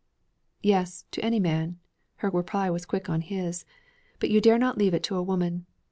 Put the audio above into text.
'Yes, to any man,' her reply was quick on his, 'but you dare not leave it to a woman.